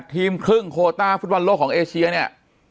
ทีมครึ่งโคต้าฟุตบอลโลกของเอเชียเนี่ย